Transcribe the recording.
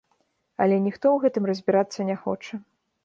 Але ніхто ў гэтым разбірацца не хоча.